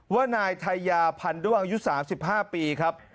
ว่านายทายาพันด้วงอายุ๓๕ปีครับ